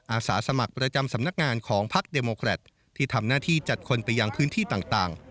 อาสาสมัครประจำสำนักงานของพักเดโมแครตที่ทำหน้าที่จัดคนไปยังพื้นที่ต่าง